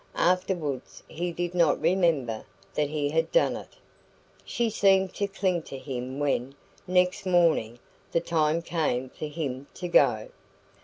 Afterwards he did not remember that he had done it. She seemed to cling to him when, next morning, the time came for him to go.